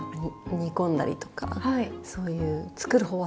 煮込んだりとかそういう作る方は好きです。